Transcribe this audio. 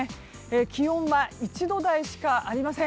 気温は１度台しかありません。